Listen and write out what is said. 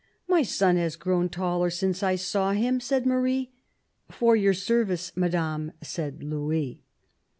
" My son has grown taller since I saw him," said Marie. " For your service, Madame," said Louis.